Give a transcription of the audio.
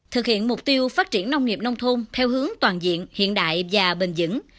thực hiện mục tiêu phát triển nông nghiệp nông thôn theo hướng toàn diện hiện đại và bình dẫn